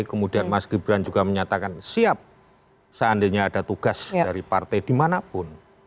kemudian mas gibran juga menyatakan siap seandainya ada tugas dari partai dimanapun